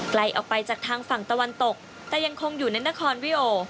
ไกลออกไปจากทางฝั่งตะวันตกแต่ยังคงอยู่ในนครวิโอ